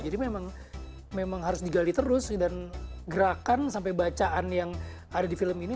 memang harus digali terus dan gerakan sampai bacaan yang ada di film ini